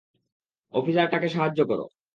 অফিসারটাকে সাহায্য কর!